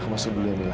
aku masuk dulu ya mila